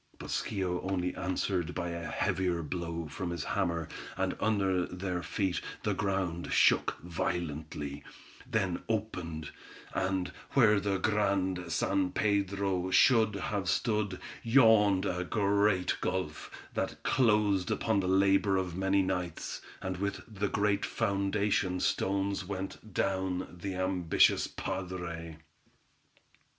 But Schio only answered by a heavier blow from his hammer, and under their feet the ground shook violently, then opened, and, where the Grand San Pedro should have stood, yawned a great gulf, that closed upon the labor of many nights; and with the great foundation stones went down the ambitious padre.